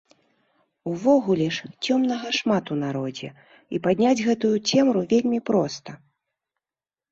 Увогуле ж, цёмнага шмат у народзе, і падняць гэтую цемру вельмі проста.